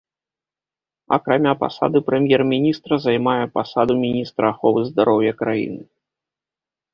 Акрамя пасады прэм'ер-міністра, займае пасаду міністра аховы здароўя краіны.